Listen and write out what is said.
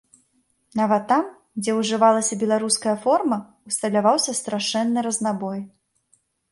Нават там, дзе ўжывалася беларуская форма, усталяваўся страшэнны разнабой.